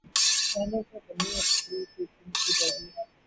پہلے سے بنی ایپلی کیشنز کے جائزے